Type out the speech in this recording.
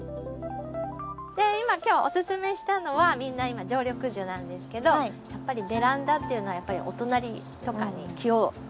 今日おすすめしたのはみんな常緑樹なんですけどやっぱりベランダっていうのはお隣とかに気をちょっと遣いますよね。